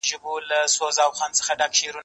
مځکه له سړک ښه ده!؟